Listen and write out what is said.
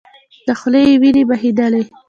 له خولې يې وينې بهيدلې.